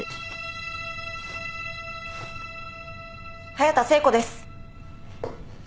隼田聖子です。